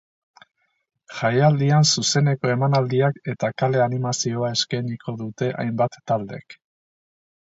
Jaialdian zuzeneko emanaldiak eta kale animazioa eskainiko dute hainbat taldek.